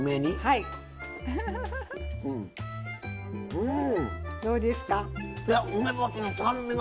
うん。